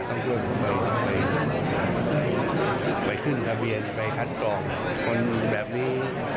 ตำรวจไปขึ้นทะเบียนไปคัดกรองคนแบบนี้